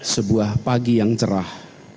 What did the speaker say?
sebuah pagi yang cerah